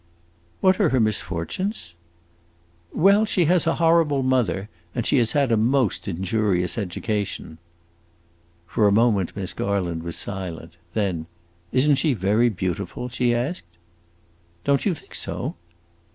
"What are her misfortunes?" "Well she has a horrible mother, and she has had a most injurious education." For a moment Miss Garland was silent. Then, "Is n't she very beautiful?" she asked. "Don't you think so?"